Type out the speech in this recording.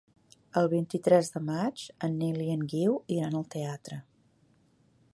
El vint-i-tres de maig en Nil i en Guiu iran al teatre.